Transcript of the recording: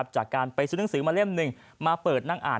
จากการไปซื้อหนังสือมาเล่มหนึ่งมาเปิดนั่งอ่าน